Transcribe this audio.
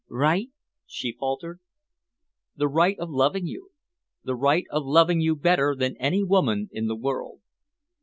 "Right?" she faltered. "The right of loving you the right of loving you better than any woman in the world."